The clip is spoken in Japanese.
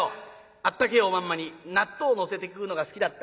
あったけえおまんまに納豆のせて食うのが好きだった。